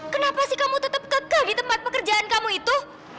kenapa sih kamu tetap kekeh di tempat pekerjaan kamu itu